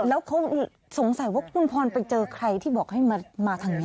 แล้วเขาสงสัยว่าคุณพรไปเจอใครที่บอกให้มาทางนี้